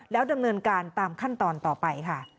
แล้วดำเนินการตามขั้นตอนต่อไปค่ะ